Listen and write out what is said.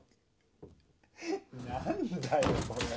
何だよこれ。